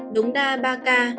đống đa ba ca